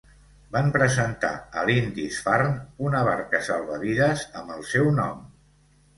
Van presentar a Lindisfarne una barca salvavides amb el seu nom.